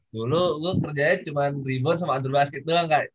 dulu gue kerjanya cuma rebound sama under basket doang kak